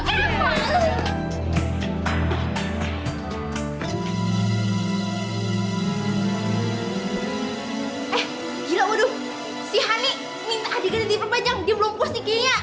eh gila waduh si hani minta adiknya diperpanjang dia belum puas nih kayaknya